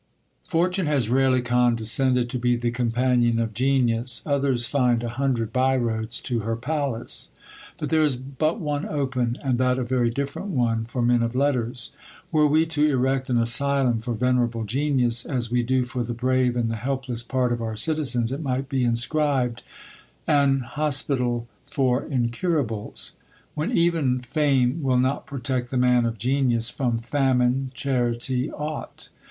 Fortune has rarely condescended to be the companion of genius: others find a hundred by roads to her palace; there is but one open, and that a very indifferent one, for men of letters. Were we to erect an asylum for venerable genius, as we do for the brave and the helpless part of our citizens, it might be inscribed, "An Hospital for Incurables!" When even Fame will not protect the man of genius from Famine, Charity ought.